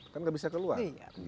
kan gak bisa keluar